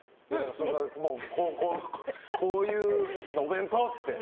こういうお弁当って。